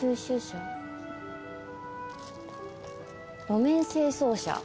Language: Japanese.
路面清掃車。